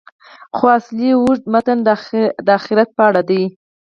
خو اصلي اوږد متن د آخرت په اړه دی.